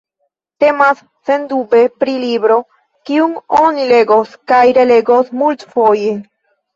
Temas sendube pri libro, kiun oni legos kaj relegos multfoje.